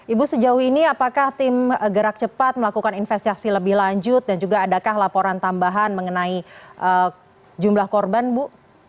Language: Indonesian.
ibu sejauh ini apakah tim gerak cepat melakukan investigasi lebih lanjut dan juga adakah laporan tambahan mengenai jumlah korban bu